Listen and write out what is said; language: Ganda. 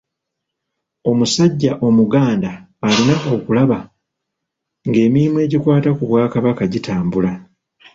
Omusajja omuganda alina okulaba ng'emirimu egikwata ku Bwakabaka gitambula.